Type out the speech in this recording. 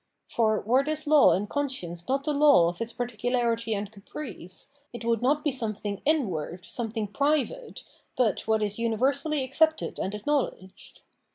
For were this law and conscience not the law of its particularity and caprice, it would not be something inward, something private, but what is universally accepted and acknowledged.